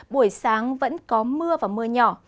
buổi sáng vẫn có mưa và mưa nhỏ